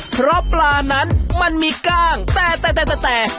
เพราะปลานั้นมันมีกล้างแต่แต่